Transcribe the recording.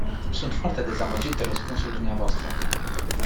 Sunt foarte dezamăgit de răspunsul dumneavoastră.